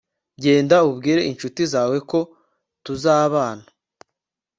genda ubwire inshuti zawe ko tuzabana